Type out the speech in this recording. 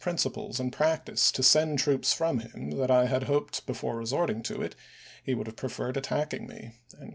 principles and practice to send troops from him, that I had hoped before resorting to it he would have preferred attacking me."